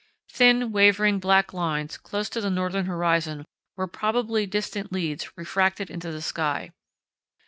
Thin wavering black lines close to the northern horizon were probably distant leads refracted into the sky.